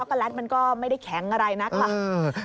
โกแลตมันก็ไม่ได้แข็งอะไรนักค่ะ